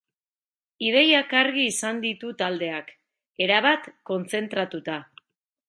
Ideiak argi izan ditu taldeak, erabat kontzentratuta.